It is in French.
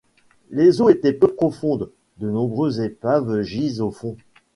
Les eaux étant peu profondes, de nombreuses épaves gisent au fond.